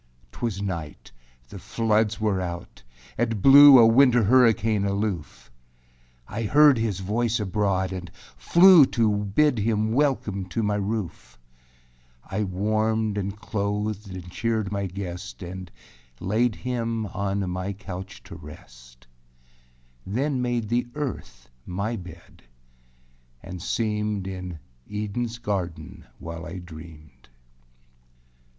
4. âTwas night; the floods were out; it blew A winter hurricane aloof. I heard his voice abroad and flew To bid him welcome to my roof. I warmed and clothed and cheered my guest And laid him on my couch to rest, Then made the earth my bed and seemed In Edenâs garden while I dreamed.